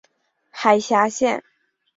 海峡线。